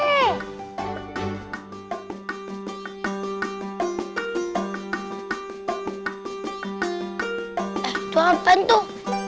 eh itu apaan tuh